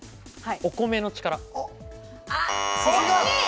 お米の力。